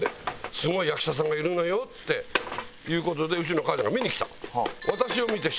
すごい役者さんがいるのよっていう事でうちの母ちゃんが見に来たの。